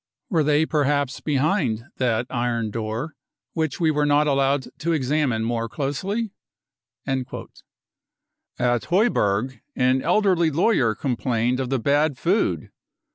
Were they per haps behind that iron door, which we were not allowed to examine more closely ? 55 At Heuberg an elderly lawyer complained of the bad food.